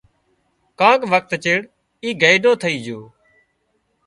ڪانڪ وکت چيڙ اي گئيڍو ٿئي جھو